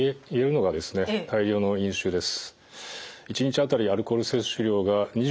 大量の飲酒です。